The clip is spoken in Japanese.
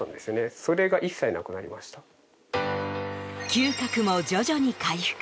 嗅覚も徐々に回復。